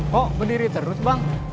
kok berdiri terus bang